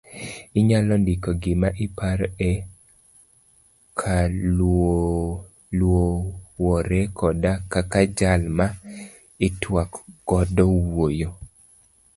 Inyalo ndiko gima iparo e kaluowore koda kaka jal ma itwak godo wuoyo.